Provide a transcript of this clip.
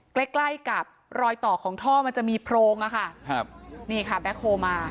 ใกล้ใกล้กับรอยต่อของท่อมันจะมีโพรงอะค่ะครับนี่ค่ะแบ็คโฮลมา